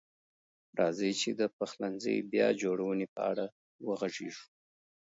راځئ چې د پخلنځي بیا جوړونې په اړه وغږیږو.